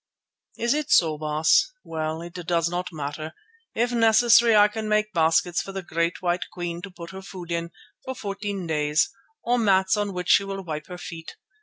"Is it so, Baas? Well, it does not matter. If necessary I can make baskets for the great white Queen to put her food in, for fourteen days, or mats on which she will wipe her feet.